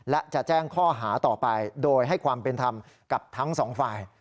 และจะแจ้งข้อหาต่อไปโดยให้ความเป็นธรรมกับทั้งสองฝ่าย